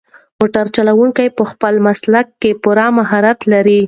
موټر چلونکی په خپل مسلک کې پوره مهارت لري.